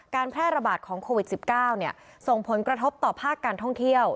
แพร่ระบาดของโควิด๑๙ส่งผลกระทบต่อภาคการท่องเที่ยว